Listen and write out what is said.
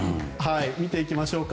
見ていきましょうか。